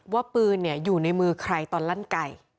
ว่าปืนอยู่ในมือใครตอนลั่นไก่